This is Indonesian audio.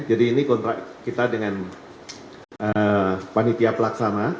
jadi ini kontrak kita dengan panitia pelaksana